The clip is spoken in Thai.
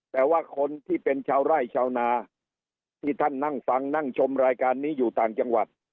แต่ว่าคนที่เป็นชาวไร่ชาวนาที่ท่านนั่งฟังนั่งชมรายการนี้อยู่ต่างจังหวัด